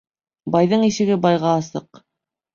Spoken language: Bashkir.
Байҙың ишеге байға асыҡ.